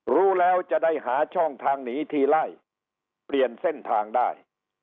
รู้แล้วจะได้หาช่องทางหนีทีไล่เปลี่ยนเส้นทางได้